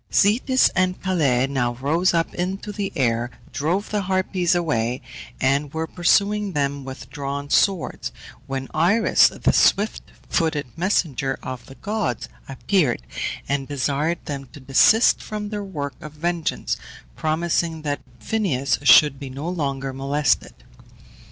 Zetes and Calais now rose up into the air, drove the Harpies away, and were pursuing them with drawn swords, when Iris, the swift footed messenger of the gods, appeared, and desired them to desist from their work of vengeance, promising that Phineus should be no longer molested.